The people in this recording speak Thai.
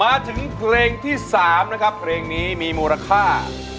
มาถึงเพลงที่๓นะครับเพลงนี้มีมูลค่า